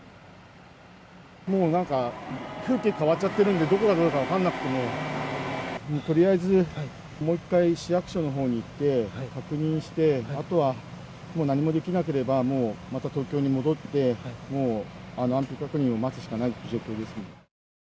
もうなんか、風景変わっちゃってるんで、どこがどこだか分かんなくて、もう、とりあえず、もう一回市役所のほうに行って確認して、あとはもう何もできなければ、もうまた東京に戻って、安否確認を待つしかないという状況ですね。